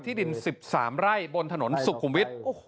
ดิน๑๓ไร่บนถนนสุขุมวิทย์